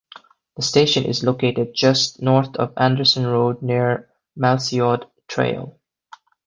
The station is located just north of Anderson Road near Macleod Trail.